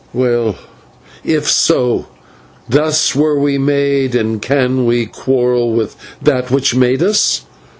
Well, if so, thus we were made, and can we quarrel with that which made us?